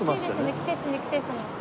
季節に季節の。